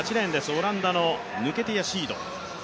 オランダのヌケティア・シード。